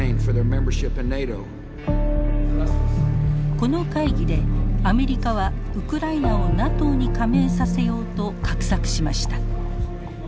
この会議でアメリカはウクライナをＮＡＴＯに加盟させようと画策しました。